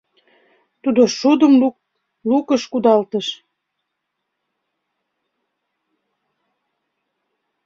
Тудо шудым лукыш кудалтыш.